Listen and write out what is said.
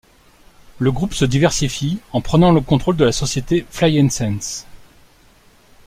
Le groupe se diversifie en prenant le contrôle de la société Fly-n-Sense.